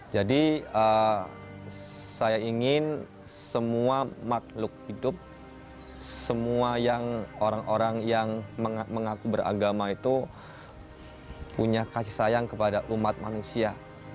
jadi saya ingin semua makhluk hidup semua orang orang yang mengaku beragama itu punya kasih sayang kepada umat manusia